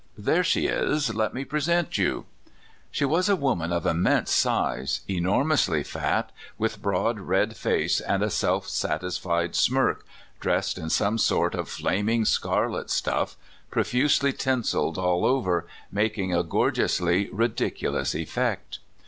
There she is; let me present you." She was a woman of immense size, enormously fat, with broad, red face, and a self satisfied smirk, dressed in some sort of flaming scarlet stuff, pro fusely tinseled all over, making a gorgeously ridic ulous effect.